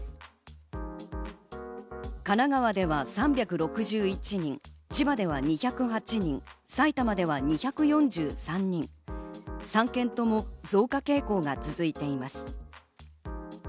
神奈川では３６１人、千葉では２０８人、埼玉では２４３人、３県とも増加傾向が続いています。